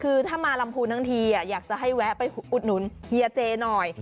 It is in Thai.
คือถ้ามาลำพูนทั้งทีอยากจะให้แวะไปอุดหนุนเฮียเจหน่อย